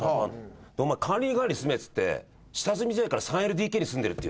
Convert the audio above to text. お前管理人代わりに住めっていって下積み時代から３ＬＤＫに住んでるっていう。